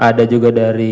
ada juga dari